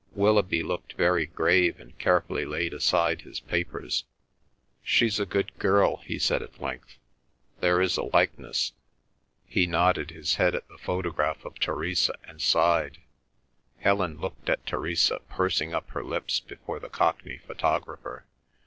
Willoughby looked very grave and carefully laid aside his papers. "She's a good girl," he said at length. "There is a likeness?"—he nodded his head at the photograph of Theresa and sighed. Helen looked at Theresa pursing up her lips before the Cockney photographer.